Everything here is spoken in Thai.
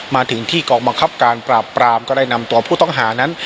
มาถึงที่กองบังคับการปราบปรามก็ได้นำตัวผู้ต้องหานั้น